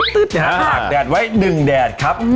ตากแดดไว้๑แดดครับ